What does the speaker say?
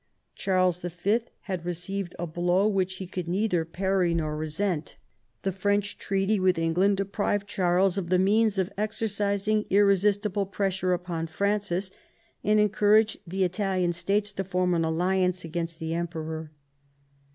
Charles V. had received a blow which he could neither parry nor resent The French treaty with England deprived Charles of the means of exercis ing irresistible pressure upon Francis, and encouraged the Italian States to form an alliance against the Emperor.